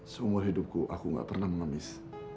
seumur hidupku aku gak pernah mengemis